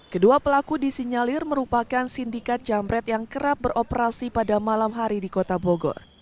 kedua pelaku disinyalir merupakan sindikat jamret yang kerap beroperasi pada malam hari di kota bogor